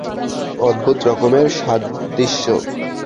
অদ্ভুত রকমের সাদৃশ্য।